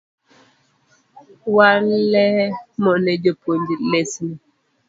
Walemone jopuonj lesni